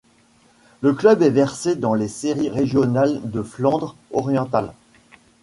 Le club est versé dans les séries régionales de Flandre-Orientale.